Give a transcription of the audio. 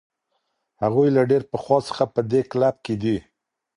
هغوی له ډېر پخوا څخه په دې کلب کې دي.